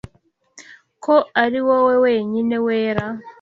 ko ari wowe wenyine wera?